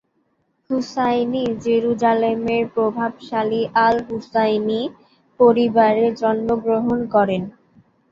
হুসাইনি জেরুজালেমের প্রভাবশালী আল-হুসাইনি পরিবারে জন্মগ্রহণ করেন।